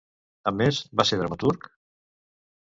A més, va ser dramaturg?